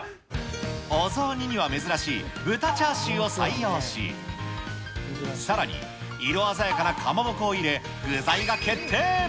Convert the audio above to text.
お雑煮には珍しい豚チャーシューを採用し、さらに色鮮やかなかまぼこを入れ、具材が決定。